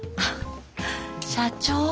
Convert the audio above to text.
社長